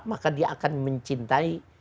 maka dia akan mencintai